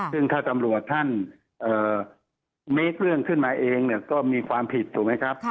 ซึ่งถ้าตำรวจท่านเมคเรื่องขึ้นมาเองเนี่ยก็มีความผิดถูกไหมครับ